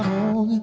aku ingin ku lupa